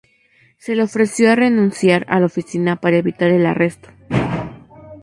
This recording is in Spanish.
Se le ofreció a renunciar a la oficina para evitar el arresto.